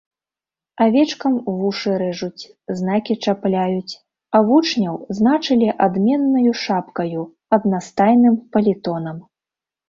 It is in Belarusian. Авечкам вушы рэжуць, знакі чапляюць, а вучняў значылі адменнаю шапкаю, аднастайным палітонам.